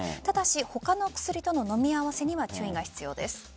ただし他の薬との飲み合わせには注意が必要です。